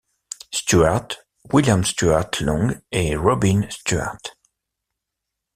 Stuart, William Stuart Long et Robyn Stuart.